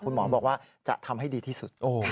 คุณหมอบอกว่าจะทำให้ดีที่สุด